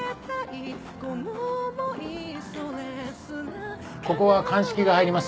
ここは鑑識が入ります。